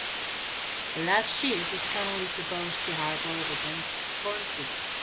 The last sheaf is commonly supposed to harbor the corn-spirit.